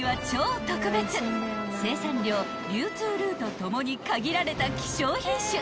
［生産量流通ルート共に限られた希少品種］